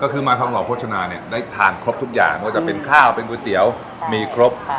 ก็คือมาทองหล่อโภชนาเนี่ยได้ทานครบทุกอย่างไม่ว่าจะเป็นข้าวเป็นก๋วยเตี๋ยวมีครบ